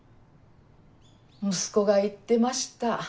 息子が言ってました。